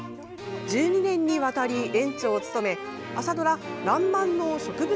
１２年にわたり園長を務め朝ドラ「らんまん」の植物